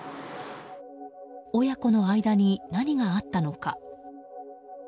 親子の間に何があったのか。